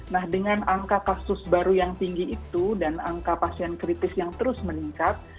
nah dengan angka kasus baru yang tinggi itu dan angka pasien kritis yang terus meningkat